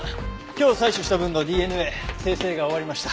今日採取した分のＤＮＡ精製が終わりました。